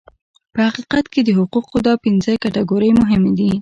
په حقیقت کې د حقوقو دا پنځه کټګورۍ مهمې دي.